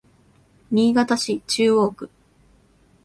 新潟市中央区